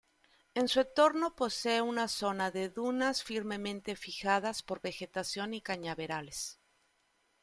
En su entorno posee una zona de dunas firmemente fijadas por vegetación y cañaverales.